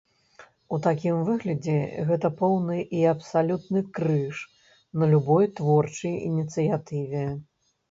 У такім выглядзе гэта поўны і абсалютны крыж на любой творчай ініцыятыве.